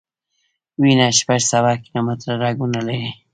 وینه شپږ سوه کیلومټره رګونه لري.